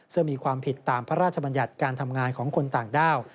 ซึ่งมีความผิดตามพระราชบัญญัติการทำงานของคนต่างด้าว